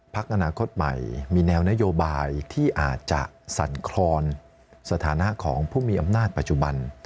อนาคตใหม่มีแนวนโยบายที่อาจจะสั่นครอนสถานะของผู้มีอำนาจปัจจุบัน